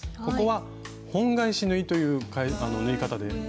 ここは本返し縫いという縫い方で。